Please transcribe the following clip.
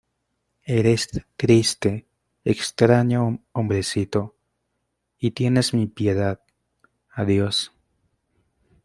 Eres triste, extraño hombrecito , y tienes mi piedad. Adiós .